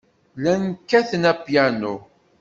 Llan kkaten apyanu.